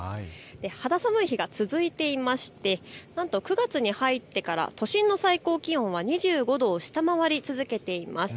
肌寒い日が続いていまして９月に入ってから都心の最高気温は２５度を下回り続けています。